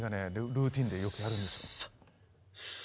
ルーティーンでよくやるんですよ。